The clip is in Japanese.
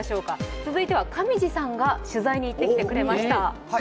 続いては、上地さんが取材に行ってきてくれました。